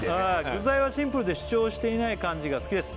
「具材はシンプルで主張していない感じが好きです」